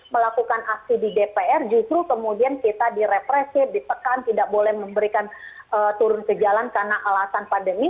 melakukan aksi di dpr justru kemudian kita direpresif ditekan tidak boleh memberikan turun ke jalan karena alasan pandemi